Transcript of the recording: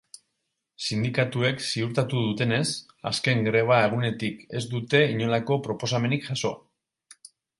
Sindikatuek ziurtatu dutenez, azken greba egunetik ez dute inolako proposamenik jaso.